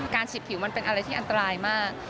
ฉีดผิวมันเป็นอะไรที่อันตรายมาก